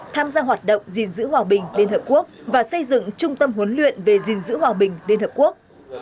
tham gia hoạt động gìn giữ hòa bình liên hợp quốc và xây dựng trung tâm huấn luyện về gìn giữ hòa bình liên hợp quốc